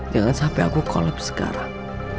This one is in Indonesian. jangan sampai aku collapse sekarang